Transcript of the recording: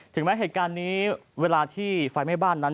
แม้เหตุการณ์นี้เวลาที่ไฟไหม้บ้านนั้น